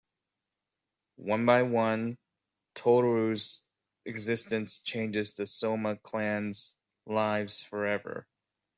One by one, Tohru's existence changes the Sohma clan's lives forever.